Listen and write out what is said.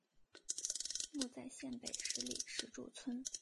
墓在县北十里石柱村。